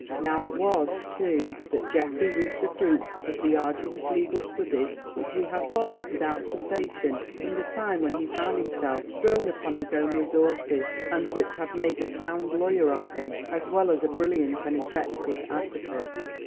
Now it was, too, that Geoffrey reaped the fruits of the arduous legal studies which he had followed without cessation from the time when he found himself thrown upon his own resources, and which had made a sound lawyer of him as well as a brilliant and effective advocate.